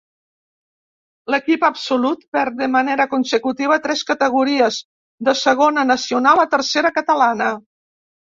L'equip absolut perd de manera consecutiva tres categories: de Segona Nacional a Tercera Catalana.